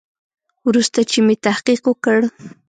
وروسته چې مې تحقیق وکړ.